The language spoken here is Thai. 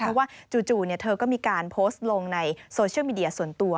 เพราะว่าจู่เธอก็มีการโพสต์ลงในโซเชียลมีเดียส่วนตัว